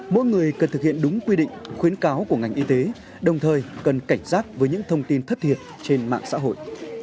mỗi người cần thực hiện đúng quy định khuyến cáo của ngành y tế đồng thời cần cảnh giác với những thông tin thất thiệt trên mạng xã hội